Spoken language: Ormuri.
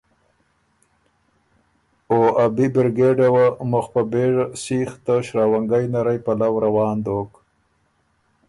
او ا بی بِرګېډه وه مُخ په بېژه سېخ ته شراونګئ نرئ پلؤ روان دوک،